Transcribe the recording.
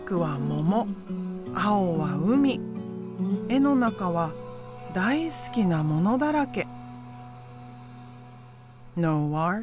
絵の中は大好きなものだらけ。